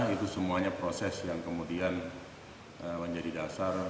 itu semuanya proses yang kemudian menjadi dasar